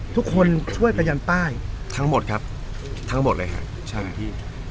ทุกคนช่วยประยันป้ายทั้งหมดครับทั้งหมดเลยค่ะใช่พี่